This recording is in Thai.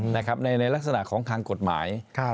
ในลักษณะของทางกฎหมาย